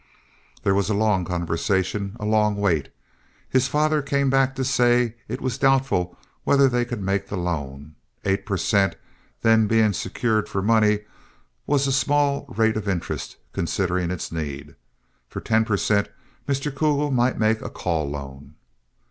There was a long conversation—a long wait. His father came back to say it was doubtful whether they could make the loan. Eight per cent., then being secured for money, was a small rate of interest, considering its need. For ten per cent. Mr. Kugel might make a call loan.